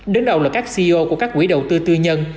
đến đầu là các ceo của các quỹ đầu tư tư nhân